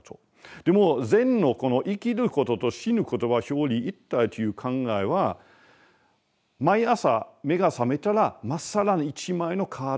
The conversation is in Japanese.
でも禅のこの生きることと死ぬことは表裏一体という考えは毎朝目が覚めたらまっさらな１枚のカードをもらう。